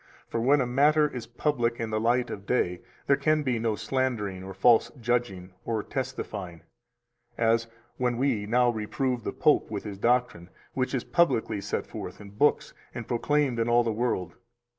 For when a matter is public in the light of day, there can be no slandering or false judging or testifying; as, when we now reprove the Pope with his doctrine, which is publicly set forth in books and proclaimed in all the world.